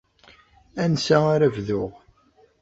Ansa ara bduɣ?